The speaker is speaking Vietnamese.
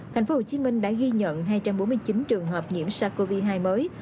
thành phố hồ chí minh đã ghi nhận hai trăm bốn mươi chín trường hợp nhiễm sars cov hai mới